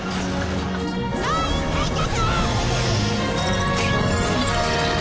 総員退却！